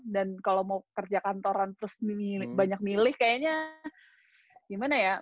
dan kalau mau kerja kantoran terus banyak milih kayaknya gimana ya